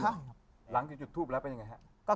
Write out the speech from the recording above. หลังจุดทูบแล้วเป็นยังไงครับ